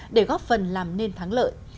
để góp phần làm nên thắng lợi